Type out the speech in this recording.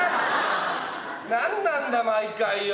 何なんだ毎回よ！